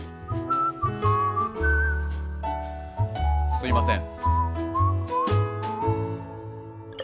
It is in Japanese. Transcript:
すみません。